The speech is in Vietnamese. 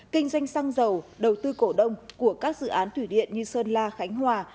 kinh doanh xăng dầu đầu tư cổ đông của các dự án thủy điện như sơn la khánh hòa